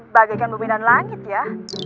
bagaikan bumi dan langit ya